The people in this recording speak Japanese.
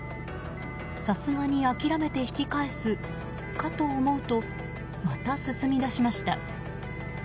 さすがに諦めて引き返すかと思うとまた進み出しました。